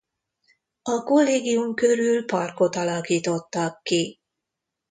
A kollégium körül parkot alakítottak ki.